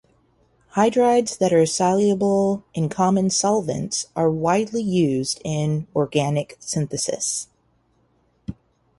Hydrides that are soluble in common solvents are widely used in organic synthesis.